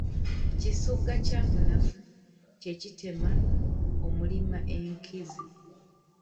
Kisugga kya munafu kye kitema omulima enkizi.